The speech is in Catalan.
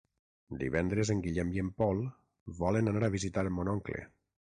Divendres en Guillem i en Pol volen anar a visitar mon oncle.